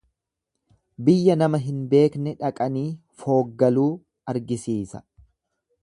Biyya nama hin beekne dhaqanii fooggaluu argisiisa.